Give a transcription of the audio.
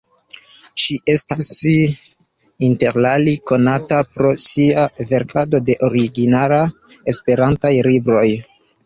Ŝi estas interalie konata pro sia verkado de originalaj esperantaj libroj.